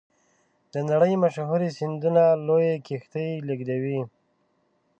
د نړۍ مشهورې سیندونه لویې کښتۍ لیږدوي.